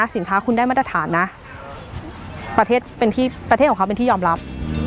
สินค้าคุณได้มาตรฐานนะประเทศของเขาเป็นที่ยอมรับ